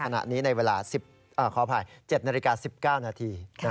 ขณะนี้ในเวลา๗นาฬิกา๑๙นาที